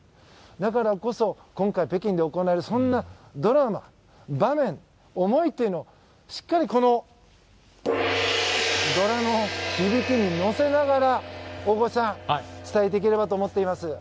だからこそ、今回北京で行われるそんなドラマ、場面思いというのをしっかりこのドラの響きにのせながら大越さん、伝えていければと思っています。